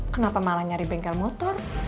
kenapa malah nyari bengkel motor